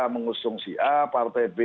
mengusung si a partai b